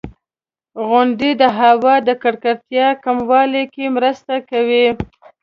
• غونډۍ د هوا د ککړتیا کمولو کې مرسته کوي.